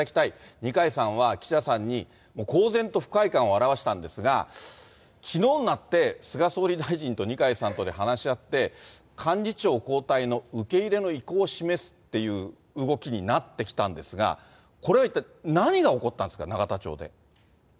二階さんは岸田さんに、公然と不快感を表したんですが、きのうになって、菅総理大臣と二階さんとで話し合って、幹事長交代の受け入れの意向を示すっていう動きになってきたんですが、これは一体、何が起こったんですか？